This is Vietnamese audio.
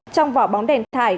trong vỏ bóng đèn thải